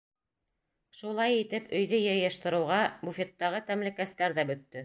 Шулай итеп, өйҙө йыйыштырыуға, буфеттағы тәмлекәстәр ҙә бөттө.